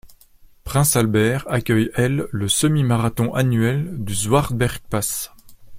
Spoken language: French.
Prince Albert accueille elle le semi-marathon annuel du Swartberg Pass.